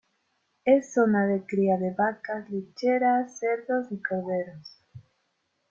Es zona de cría de vacas lecheras, cerdos y corderos.